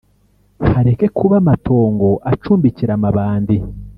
hareke kuba amatongo acumbikira amabandi